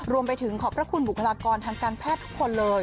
รวมไปถึงขอบพระคุณบุคลากรทางการแพทย์ทุกคนเลย